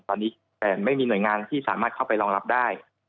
ตอนนี้แต่ไม่มีหน่วยงานที่สามารถเข้าไปรองรับได้